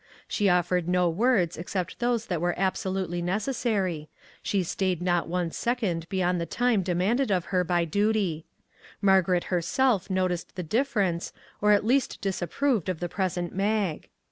She offered no words except those that were abso 250 A HARD LESSON lutely necessary, she stayed not one second be yond the time demanded of her by duty. Mar garet herself noticed the difference, or at least disapproved of the present Mag.